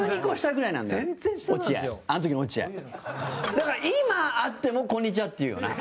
だから、今、会ってもこんにちはって言うよな。